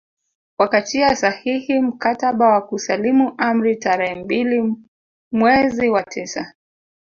Wakatia sahihi mkataba wa kusalimu amri tarehe mbili mwezi wa tisa